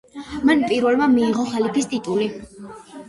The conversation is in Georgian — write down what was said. მან პირველმა მიიღო ხალიფის ტიტული.